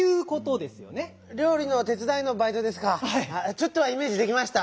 ちょっとはイメージできました。